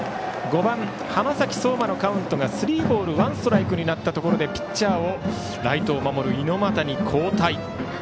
５番、浜崎綜馬のカウントがスリーボール、ワンストライクになったところでピッチャーをライトを守る猪俣に交代。